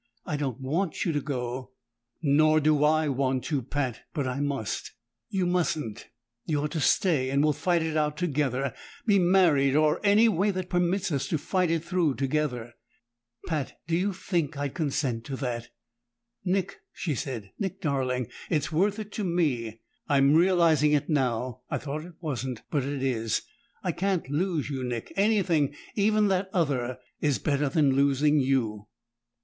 I don't want you to go!" "Nor do I want to, Pat! But I must." "You mustn't! You're to stay, and we'll fight it out together be married, or any way that permits us to fight it through together." "Pat! Do you think I'd consent to that?" "Nick," she said. "Nick darling It's worth it to me! I'm realizing it now; I thought it wasn't but it is! I can't lose you, Nick anything, even that other, is better than losing you."